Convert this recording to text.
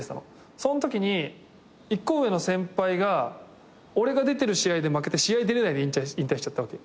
そんときに１個上の先輩が俺が出てる試合で負けて試合出れないで引退しちゃったわけ。